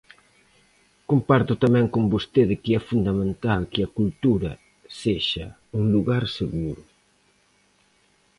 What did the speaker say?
Comparto tamén con vostede que é fundamental que a cultura sexa un lugar seguro.